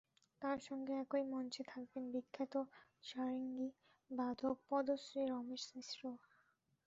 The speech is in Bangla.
তাঁর সঙ্গে একই মঞ্চে থাকবেন বিখ্যাত সারেঙ্গি বাদক পদ্মশ্রী রমেশ মিশ্র।